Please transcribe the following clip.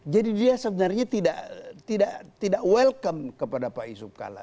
jadi dia sebenarnya tidak welcome kepada pak yusuf kalla